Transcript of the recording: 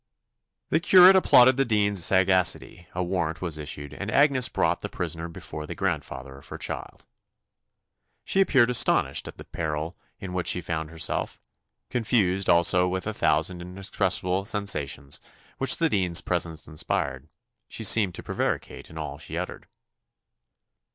The curate applauded the dean's sagacity; a warrant was issued, and Agnes brought prisoner before the grandfather of her child. She appeared astonished at the peril in which she found herself. Confused, also, with a thousand inexpressible sensations which the dean's presence inspired, she seemed to prevaricate in all she uttered.